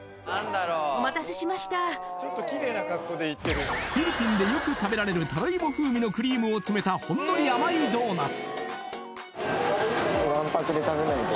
お待たせしましたフィリピンでよく食べられるタロイモ風味のクリームを詰めたほんのり甘いドーナツ